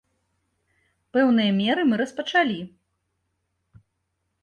Пэўныя меры мы распачалі.